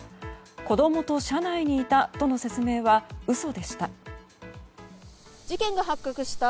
子供と車内にいたとの説明は嘘でした。